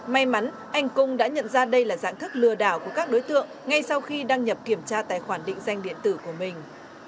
may mắn anh cung đã nhận ra đây là dạng thức lừa đảo của các đối tượng ngay sau khi đăng nhập kiểm tra tài khoản định danh điện tử của mình